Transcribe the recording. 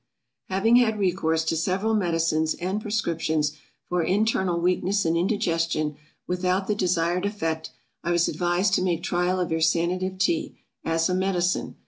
HAVING had recourse to several medicines and prescriptions, for internal weakness and indigestion, without the desired effect, I was advised to make trial of your Sanative Tea, as a medicine.